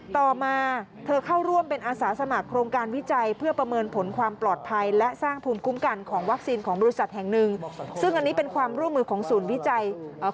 ต่อมาเธอเข้าร่วมเป็นอาสาสมัครโครงการวิจัย